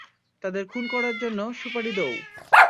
তাদের খুন করার জন্য, সুপাড়ি দোও!